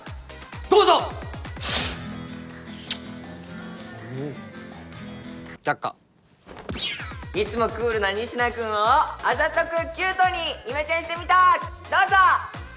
どうぞおおー却下いつもクールな仁科君をあざとくキュートにイメチェンしてみたどうぞ！